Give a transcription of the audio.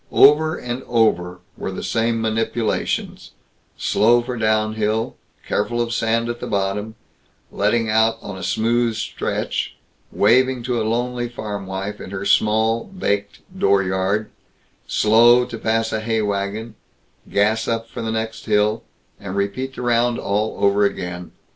Over and over there were the same manipulations: slow for down hill, careful of sand at the bottom, letting her out on a smooth stretch, waving to a lonely farmwife in her small, baked dooryard, slow to pass a hay wagon, gas for up the next hill, and repeat the round all over again.